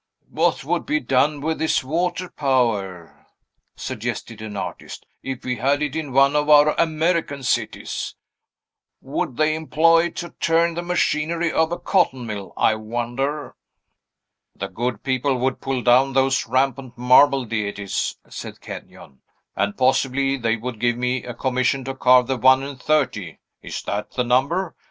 "What would be done with this water power," suggested an artist, "if we had it in one of our American cities? Would they employ it to turn the machinery of a cotton mill, I wonder?" "The good people would pull down those rampant marble deities," said Kenyon, "and, possibly, they would give me a commission to carve the one and thirty (is that the number?)